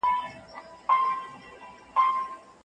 ميرمن بايد د خاوند د خوښۍ سبب استعمال کړي.